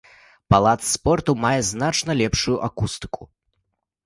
Палац спорту мае значна лепшую акустыку.